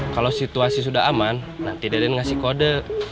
kalo situasi sudah aman nanti deden ngasih kode